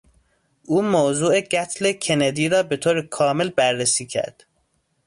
او موضوع قتل کندی را به طور کامل بررسی کرد.